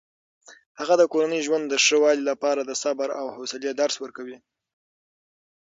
هغه د کورني ژوند د ښه والي لپاره د صبر او حوصلې درس ورکوي.